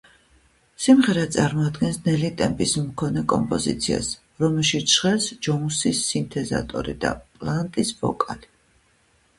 სიმღერა წარმოადგენს ნელი ტემპის მქონე კომპოზიციას, რომელშიც ჟღერს ჯოუნსის სინთეზატორი და პლანტის ვოკალი.